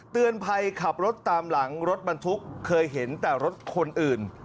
เตือนภัยขับรถตามหลังรถบรรทุกเคยเห็นแต่รถคนอื่น